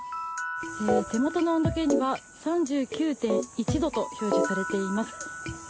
手元の温度計には３９．１度と表示されています。